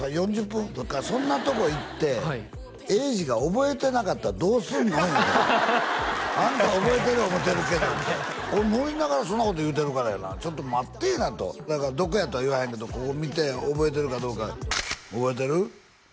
４０分とかそんなとこ行って衛二が覚えてなかったらどうすんねんあんたは覚えてる思うてるけどってこれ森の中でそんなこと言うてるからやなちょっと待ってえなとだからどこやとは言わへんけどここ見て覚えてるかどうか覚えてる？